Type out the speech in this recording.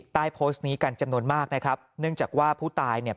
ใต้โพสต์นี้กันจำนวนมากนะครับเนื่องจากว่าผู้ตายเนี่ย